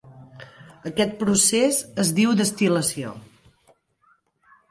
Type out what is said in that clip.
Aquest procés es diu destil·lació.